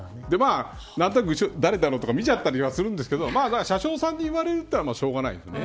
何となく誰だろうって見ちゃったりはするんですけど車掌さんに言われるのはしょうがないよね。